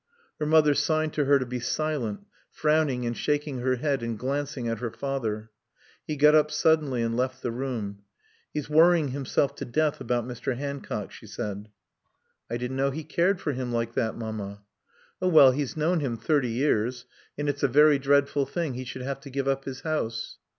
Her mother signed to her to be silent, frowning and shaking her head and glancing at her father. He got up suddenly and left the room. "He's worrying himself to death about Mr. Hancock," she said. "I didn't know he cared for him like that, Mamma." "Oh, well, he's known him thirty years, and it's a very dreadful thing he should have to give up his house."